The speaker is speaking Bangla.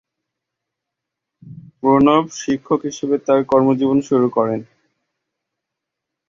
প্রণব শিক্ষক হিসেবে তার কর্মজীবন শুরু করেন।